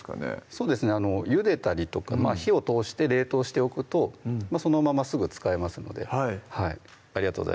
そうですねゆでたりとか火を通して冷凍しておくとそのまますぐ使えますのではいありがとう